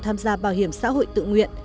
tham gia bảo hiểm xã hội tự nguyện